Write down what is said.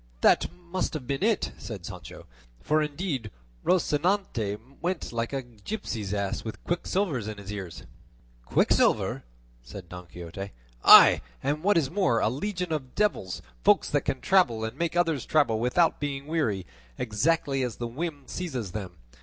"That must have been it," said Sancho, "for indeed Rocinante went like a gipsy's ass with quicksilver in his ears." "Quicksilver!" said Don Quixote, "aye and what is more, a legion of devils, folk that can travel and make others travel without being weary, exactly as the whim seizes them.